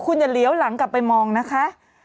คุณอย่าเลี้ยวหลังกลับไปมองนะคะ